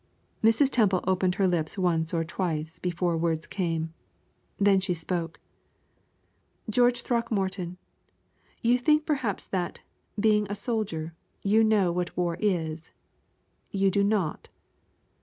Mrs. Temple opened her lips once or twice before words came. Then she spoke. "George Throckmorton, you think perhaps that, being a soldier, you know what war is. You do not.